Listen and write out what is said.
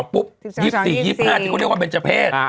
ปุ๊บ๒๔๒๕ที่เขาเรียกว่าเบนเจอร์เพศ